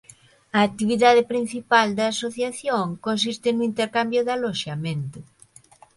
A actividade principal da asociación consiste no intercambio de aloxamento.